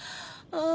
ああ。